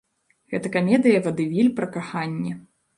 Гэта камедыя-вадэвіль пра каханне.